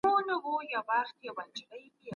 څېړونکی باید بې پرې پاتې سي.